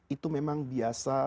itu memang biasa